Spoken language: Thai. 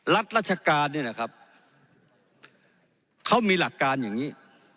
รัฐราชการเนี่ยนะครับเขามีหลักการอย่างนี้